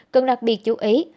cần đặc biệt chú ý